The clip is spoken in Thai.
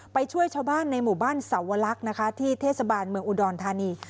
ไปช่วยชาวบ้านในหมู่บ้านสวรรคนะคะที่เทศบาลเมืองอุดรธานี